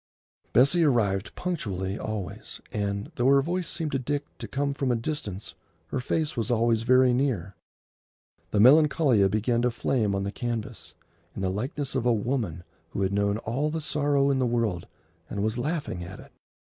Bessie arrived punctually always, and, though her voice seemed to Dick to come from a distance, her face was always very near. The Melancolia began to flame on the canvas, in the likeness of a woman who had known all the sorrow in the world and was laughing at it.